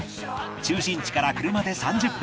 中心地から車で３０分